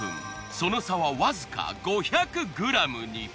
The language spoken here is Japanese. その差はわずか５００ｇに。